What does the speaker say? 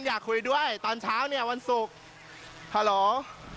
อยากคุยด้วยตอนเช้าเนี่ยวันศุกร์ฮัลโหล